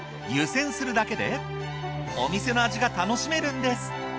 湯煎するだけでお店の味が楽しめるんです。